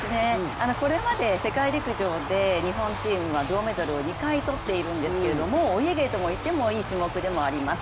これまで世界陸上で日本チームは銅メダルを２回とっているんですけれども、もうお家芸といってもいい種目でもあります。